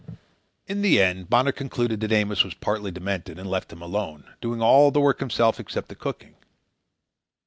In the end, Bonner concluded that Amos was partly demented, and left him alone, doing all the work himself except the cooking.